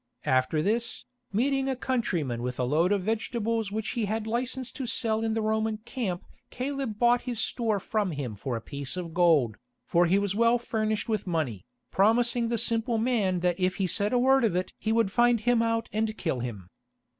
After this, meeting a countryman with a load of vegetables which he had licence to sell in the Roman camp Caleb bought his store from him for a piece of gold, for he was well furnished with money, promising the simple man that if he said a word of it he would find him out and kill him.